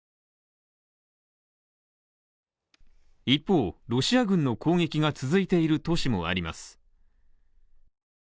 一方ロシア軍の攻撃が続いている都市もあります。